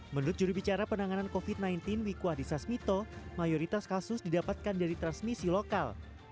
menurut jurubicara penanganan covid sembilan belas wiku adhisa smito mayoritas kasus didapatkan dari transmisi lokal